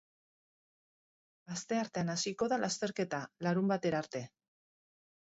Asteartean hasiko da lasterketa, larunbatera arte.